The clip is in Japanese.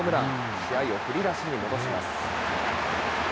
試合を振り出しに戻します。